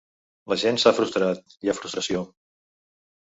La gent s’ha frustrat, hi ha frustració.